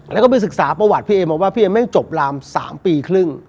แล้วก็เป็นศึกษาประวัติภิเอมบอกว่าภิเอมเม่งจบราม๓ปีครึ่ง